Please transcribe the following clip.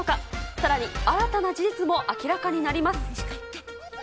さらに新たな事実も明らかになります。